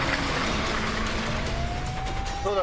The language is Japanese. そうだ！